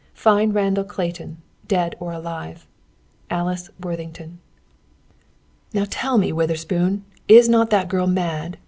Find Randall Clayton, dead or alive. "ALICE WORTHINGTON." "Now, tell me, Witherspoon, is not that girl mad?"